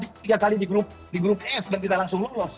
kita bisa menang tiga kali di grup f dan kita langsung lolos